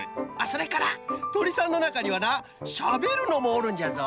それからとりさんのなかにはなしゃべるのもおるんじゃぞ。